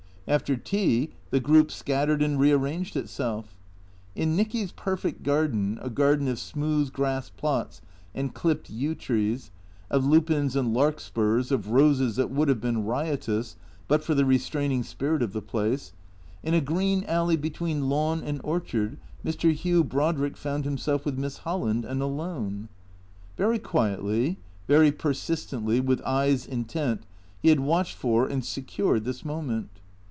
After tea the group scattered and rearranged itself. In THECKEATOES 69 Nicky's perfect garden, a garden of smooth grass plots and clipped yew trees, of lupins and larkspurs, of roses that would have been riotous but for the restraining spirit of the place; in a green alley between lawn and orchard, Mr. Hugh Brodrick found himself with Miss Holland, and alone. Very quietly, very persistently, with eyes intent, he had watched for and secured this moment.